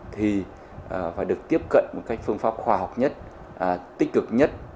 thì phải được tiếp cận một cách phương pháp khoa học nhất tích cực nhất